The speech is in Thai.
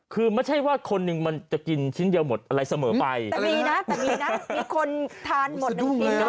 คือไม่ใช่ว่าคนหนึ่งมันจะกินชิ้นเดียวหมดอะไรเสมอไปแต่มีนะแต่มีนะมีคนทานหมดน้ำกินเนอ